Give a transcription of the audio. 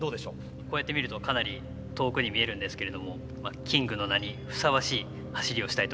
こうやって見るとかなり遠くに見えるんですけれどもキングの名にふさわしい走りをしたいと思います。